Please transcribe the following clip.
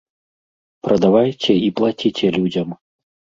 Прадавайце і плаціце людзям.